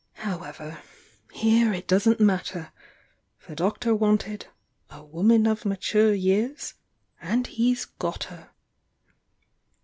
However, here it doesn't matter, — the Doctor want ed 'a woman of mature years' — and he's' got her!"